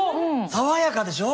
爽やかでしょ？